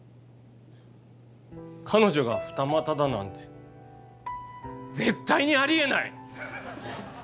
彼女が二股だなんて絶対にありえない！